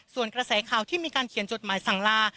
ส่วนกระแสข่าวที่มีการเขียนจดหมายสั่งลา